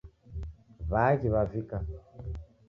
Waaghi wavika